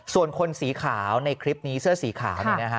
ส่วนคนสีขาวในคลิปนี้เสื้อสีขาวนี่นะฮะ